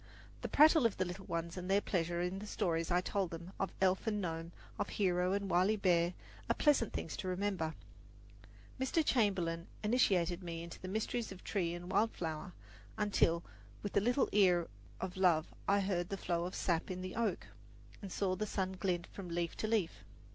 The prattle of the little ones and their pleasure in the stories I told them of elf and gnome, of hero and wily bear, are pleasant things to remember. Mr. Chamberlin initiated me into the mysteries of tree and wild flower, until with the little ear of love I heard the flow of sap in the oak, and saw the sun glint from leaf to leaf.